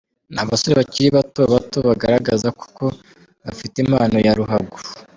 Ni abasore bakiri bato bagaragaza koko ko bafite impano ya ruhago.